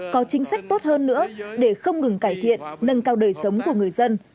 có chính sách tốt hơn nữa để không ngừng cải thiện nâng cao đời sống của người dân